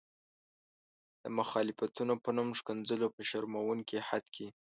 د مخالفتونو په نوم ښکنځلو په شرموونکي حد کې.